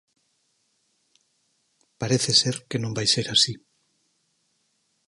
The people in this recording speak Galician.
Parece ser que non vai ser así.